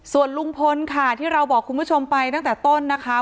ส่วนลุงพลค่ะที่เราบอกคุณผู้ชมไปตั้งแต่ต้นนะคะ